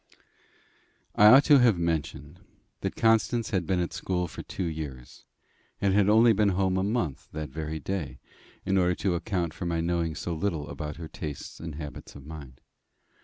I ought to have mentioned that Constance had been at school for two years, and had only been home a month that very day, in order to account for my knowing so little about her tastes and habits of mind.